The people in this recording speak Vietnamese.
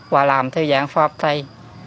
và làm theo dạng pha hợp thay